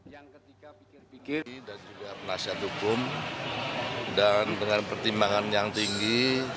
yang ketiga pikir pikir dan juga penasihat hukum dan dengan pertimbangan yang tinggi